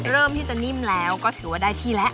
เริ่มที่จะนิ่มแล้วก็ถือว่าได้ที่แล้ว